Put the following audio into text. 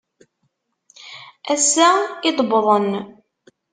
Ass-a i d-wwḍen.